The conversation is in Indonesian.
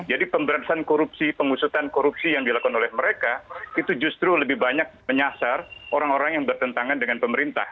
jadi pemberantasan korupsi pengusutan korupsi yang dilakukan oleh mereka itu justru lebih banyak menyasar orang orang yang bertentangan dengan pemerintah